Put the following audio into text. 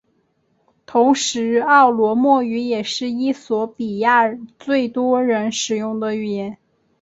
同时奥罗莫语也是衣索比亚最多人使用的语言。